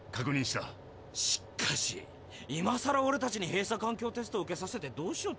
しかし今さらオレたちに閉鎖環境テスト受けさせてどうしようっての。